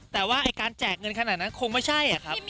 แต่ว่าการแจกเงินขนาดนั้นคงไม่ใช่ครับ